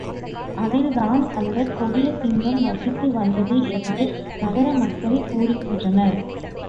அதில்தான் அந்தக் கொடிய சிங்கம் வசித்து வந்தது என்று நகர மக்கள் கூறுகின்றனர்.